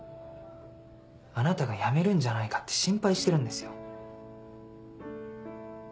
あなたが辞めるんじゃないかって心配してるんですよ。